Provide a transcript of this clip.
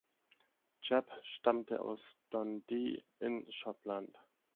Jebb stammte aus Dundee in Schottland.